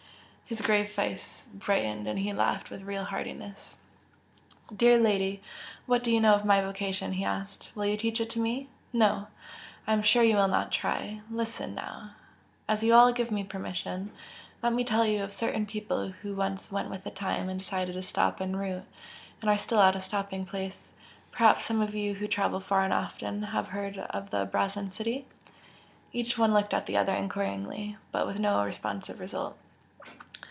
His grave face brightened and he laughed with real heartiness. "Dear lady, what do you know of my vocation?" he asked "Will you teach it to me? No! I am sure you will not try! Listen now! as you all give me permission let me tell you of certain people who once 'went with the time' and decided to stop en route, and are still at the stopping place. Perhaps some of you who travel far and often, have heard of the Brazen City?" Each one looked at the other enquiringly, but with no responsive result.